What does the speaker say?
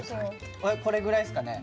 俺これぐらいですかね